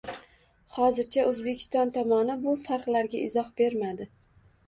Hozircha O'zbekiston tomoni bu farqlarga izoh bermadi